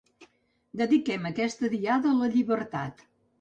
Dediquem aquesta Diada a la llibertat.